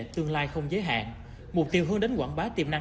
tương lai không giới hạn mục tiêu hướng đến quảng bá tiềm năng